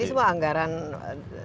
ini semua anggaran daerah